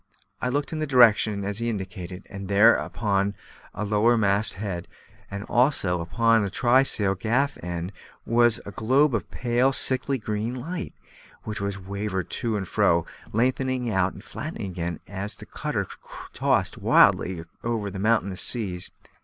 I looked in the direction he indicated, and there, upon our lower mast head, and also upon the trysail gaff end, was a globe of pale, sickly green light, which wavered to and fro, lengthening out and flattening in again as the cutter tossed wildly over the mountainous seas.